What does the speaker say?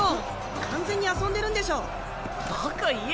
完全に遊んでるんでしょ⁉バカ言え！